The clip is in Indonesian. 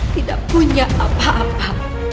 tidak punya apa apa